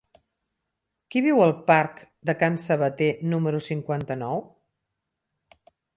Qui viu al parc de Can Sabater número cinquanta-nou?